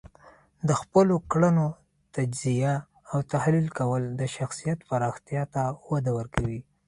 د خپلو کړنو تجزیه او تحلیل کول د شخصیت پراختیا ته وده ورکوي.